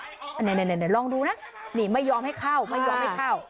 อันนี้ลองดูนะนี่ไม่ยอมให้เข้าไม่ยอมให้เข้า